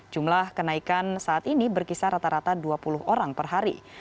jumlah kenaikan saat ini berkisar rata rata dua puluh orang per hari